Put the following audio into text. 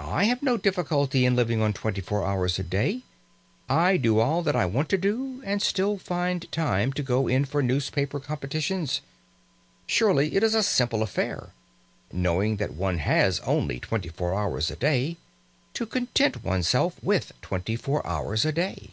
I have no difficulty in living on twenty four hours a day. I do all that I want to do, and still find time to go in for newspaper competitions. Surely it is a simple affair, knowing that one has only twenty four hours a day, to content one's self with twenty four hours a day!"